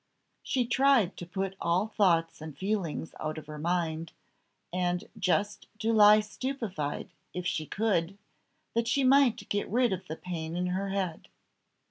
She tried to put all thoughts and feelings out of her mind, and just to lie stupified if she could, that she might get rid of the pain in her head.